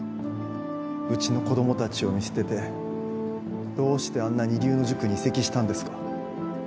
うちの子供たちを見捨ててどうしてあんな二流の塾に移籍したんですか？